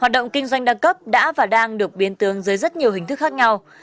hoạt động kinh doanh đa cấp đã và đang được biên tương dưới rất nhiều hình thức khác nhau